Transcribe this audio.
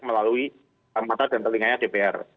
melalui mata dan telinganya dpr